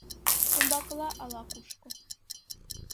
Умбакыла ала-кушко